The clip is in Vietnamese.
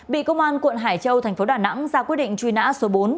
bị công an quận hải châu thành phố đà nẵng ra quyết định truy nã số bốn